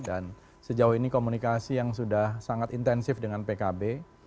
sejauh ini komunikasi yang sudah sangat intensif dengan pkb